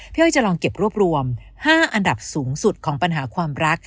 อ้อยจะลองเก็บรวบรวม๕อันดับสูงสุดของปัญหาความรัก